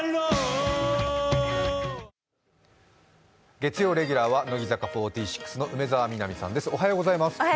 月曜レギュラーは乃木坂４６の梅澤美波さんです。